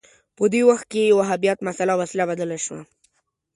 په دې وخت کې وهابیت مسأله وسله بدله شوه